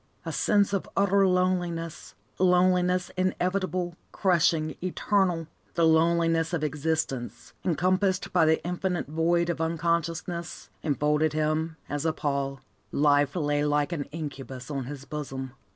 A sense of utter loneliness loneliness inevitable, crushing, eternal, the loneliness of existence, encompassed by the infinite void of unconsciousness enfolded him as a pall. Life lay like an incubus on his bosom.